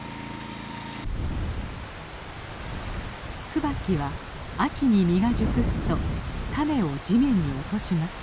ツバキは秋に実が熟すと種を地面に落とします。